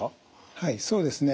はいそうですね。